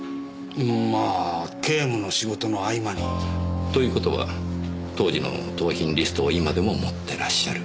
まあ警務の仕事の合間に。という事は当時の盗品リストを今でも持ってらっしゃる。